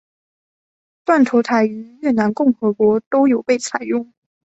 断头台于越南共和国都有被采用。